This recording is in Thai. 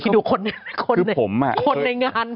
ดูคนในงาน